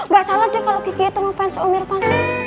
gak salah deh kalo kiki itu ngefans om irfan